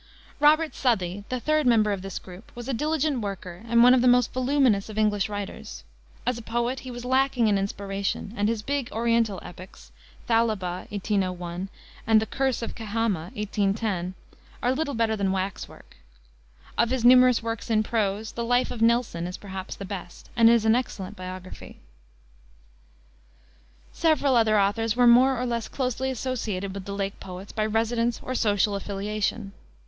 Robert Southey, the third member of this group, was a diligent worker and one of the most voluminous of English writers. As a poet, he was lacking in inspiration, and his big Oriental epics, Thalaba, 1801, and the Curse of Kehama, 1810, are little better than wax work. Of his numerous works in prose, the Life of Nelson is, perhaps, the best, and is an excellent biography. Several other authors were more or less closely associated with the Lake Poets by residence or social affiliation.